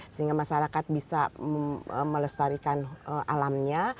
sehingga masyarakat bisa melestarikan alamnya